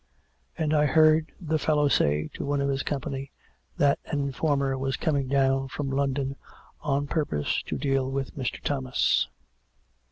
" And I heard the fellow say to one of his company that an informer was coming down from London on purpose to deal with Mr. Thomas."